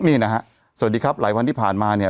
นี่นะฮะสวัสดีครับหลายวันที่ผ่านมาเนี่ย